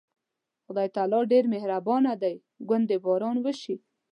خدای تعالی ډېر مهربانه دی، ګوندې باران وشي.